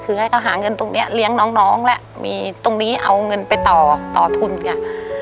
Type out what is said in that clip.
คือให้เขาหาเงินตรงนี้เลี้ยงน้องแล้วมีตรงนี้เอาเงินไปต่อต่อทุนเนี่ย